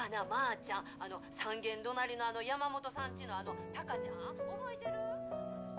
ちゃん３軒隣のヤマモトさんちのタカちゃん覚えてる？